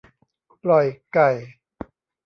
ปล่อยไก่